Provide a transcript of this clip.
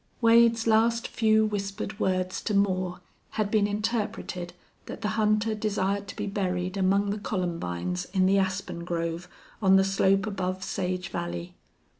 Wade's last few whispered words to Moore had been interpreted that the hunter desired to be buried among the columbines in the aspen grove on the slope above Sage Valley.